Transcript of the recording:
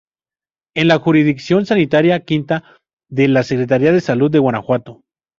En la Jurisdicción Sanitaria V, de la Secretaría de Salud de Guanajuato.